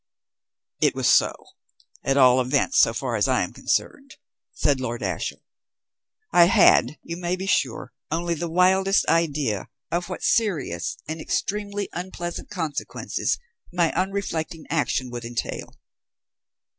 "It was so, at all events so far as I am concerned," said Lord Ashiel, "I had, you may be sure, only the wildest idea of what serious and extremely unpleasant consequences my unreflecting action would entail.